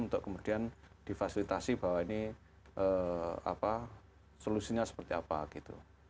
untuk kemudian difasilitasi bahwa ini solusinya seperti apa gitu